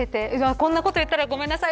こんなこと言ったらごめんなさい。